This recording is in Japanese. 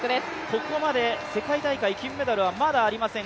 ここまで世界大会金メダルはまだありません。